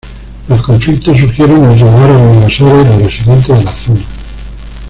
Los conflictos surgieron entre los árabes invasores y los residentes de la zona.